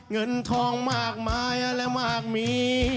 เงินทองมากมายอร่อยมากมี